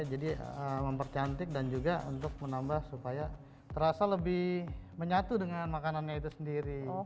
jadi mempercantik dan juga untuk menambah supaya terasa lebih menyatu dengan makanannya itu sendiri